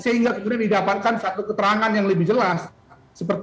sehingga kemudian didapatkan satu keterangan yang lebih jelas